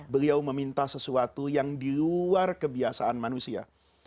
beliau meminta sesuatu yang di luar kebiasaan manusia